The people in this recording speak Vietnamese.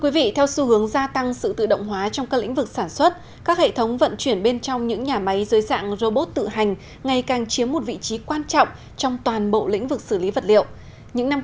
và sau đây là dự báo thời tiết trong ba ngày tại các khu vực trên cả nước